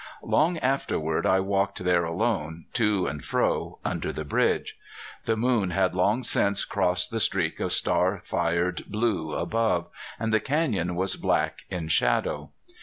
Long afterward I walked there alone, to and fro, under the bridge. The moon had long since crossed the streak of star fired blue above, and the canyon was black in shadow.